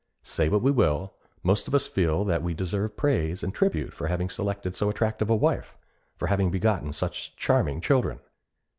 Say what we will, most of us feel that we deserve praise and tribute for having selected so attractive a wife, for having begotten such charming children.